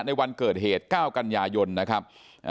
ในวันเกิดเหตุ๙กันยายนนะครับ